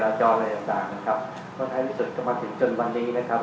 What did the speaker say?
ของการสะพานกันจนวันนี้ครับ